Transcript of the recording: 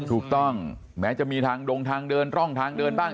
ถูกต้องแม้จะมีทางดงทางเดินร่องทางเดินบ้าง